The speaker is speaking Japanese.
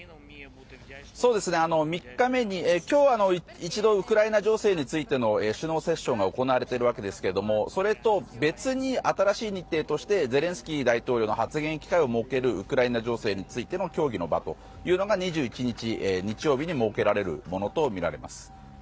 今日、一度ウクライナ情勢についての首脳セッションが行われているわけですがそれと別に新しい日程としてゼレンスキー大統領のウクライナ情勢についての発言機会を設ける協議の場というのが２１日日曜日に設けられるものとみられます。